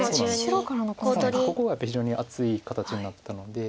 ここがやっぱり非常に厚い形になったので。